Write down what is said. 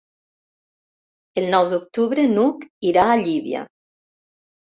El nou d'octubre n'Hug irà a Llívia.